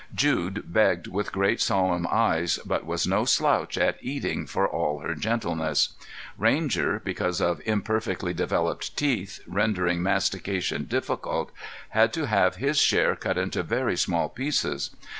Jude begged with great solemn eyes but was no slouch at eating for all her gentleness. Ranger, because of imperfectly developed teeth rendering mastication difficult, had to have his share cut into very small pieces.